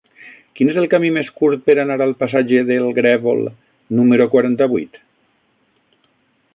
Quin és el camí més curt per anar al passatge del Grèvol número quaranta-vuit?